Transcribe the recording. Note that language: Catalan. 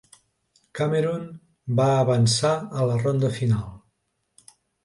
Cameroon va avançar a la ronda final.